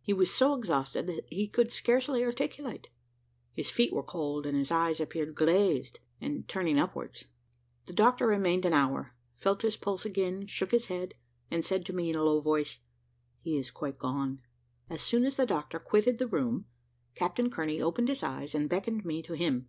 He was so exhausted, that he could scarcely articulate; his feet were cold, and his eyes appeared glazed, and turning upwards. The doctor remained an hour, felt his pulse again, shook his head, and said to me in a low voice, "He is quite gone." As soon as the doctor quitted the room, Captain Kearney opened his eyes, and beckoned me to him.